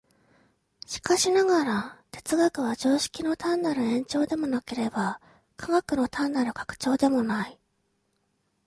しかしながら、哲学は常識の単なる延長でもなければ、科学の単なる拡張でもない。